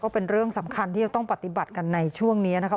เป็นเรื่องสำคัญที่จะต้องปฏิบัติกันในช่วงนี้นะคะ